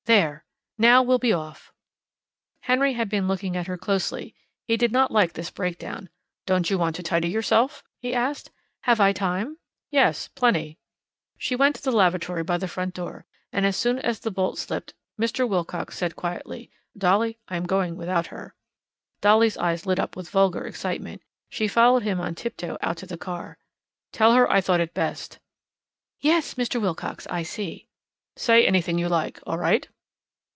There. Now we'll be off." Henry had been looking at her closely. He did not like this breakdown. "Don't you want to tidy yourself?" he asked. "Have I time?" "Yes, plenty." She went to the lavatory by the front door, and as soon as the bolt slipped, Mr. Wilcox said quietly: "Dolly, I'm going without her." Dolly's eyes lit up with vulgar excitement. She followed him on tip toe out to the car. "Tell her I thought it best." "Yes, Mr. Wilcox, I see." "Say anything you like. All right."